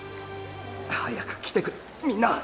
早く来てくれみんな！